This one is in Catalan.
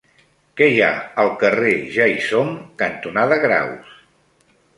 Què hi ha al carrer Ja-hi-som cantonada Graus?